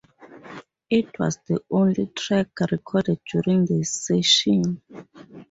It was the only track recorded during the session.